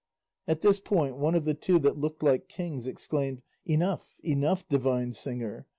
At this point one of the two that looked like kings exclaimed, "Enough, enough, divine singer!